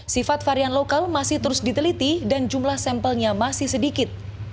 sifat varian lokal masih terus diteliti dan jumlah sampelnya masih sedikit